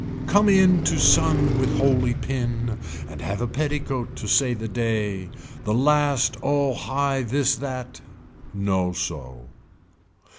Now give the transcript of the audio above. Come in to sun with holy pin and have the petticoat to say the day, the last oh high this that. No so.